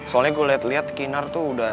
soalnya gue liat liat kinar tuh udah